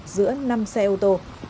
giữa năm xe ô tô